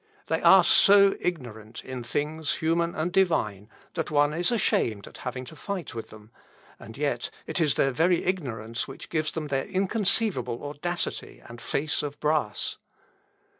They are so ignorant in things human and divine, that one is ashamed at having to fight with them; and yet it is their very ignorance which gives them their inconceivable audacity and face of brass."